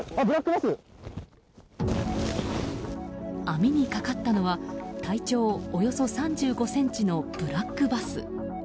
網にかかったのは体長およそ３５ｃｍのブラックバス。